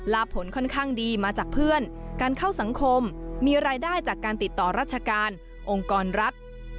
ผลค่อนข้างดีมาจากเพื่อนการเข้าสังคมมีรายได้จากการติดต่อราชการองค์กรรัฐ